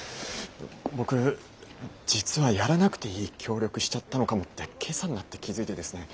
僕実はやらなくていい協力しちゃったのかもって今朝になって気付いてですね。